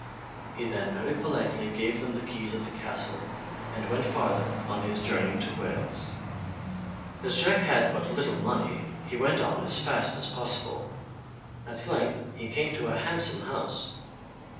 He then very politely gave them the keys of the castle and went farther on his journey to Wales. As Jack had but little money, he went on as fast as possible. At length he came to a handsome house.